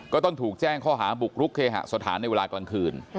ก็ต้องถูกแจ้งข้อหาบุกรุกเคหสถานในเวลากลางคืน